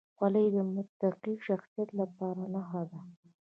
خولۍ د متقي شخصیت لپاره نښه ده.